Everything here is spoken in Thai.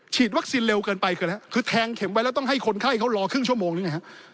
ฉีดวัคเซีนเร็วเกินไปคือแทงเข็มไว้แล้วต้องให้คนไข้รอครึ่งชั่วโมงนึง